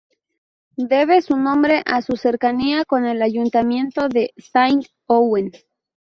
Debe su nombre a su cercanía con el Ayuntamiento de Saint-Ouen.